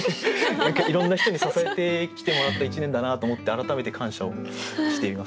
何かいろんな人に支えてきてもらった一年だなと思って改めて感謝をしています。